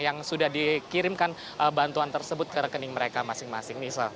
yang sudah dikirimkan bantuan tersebut ke rekening mereka masing masing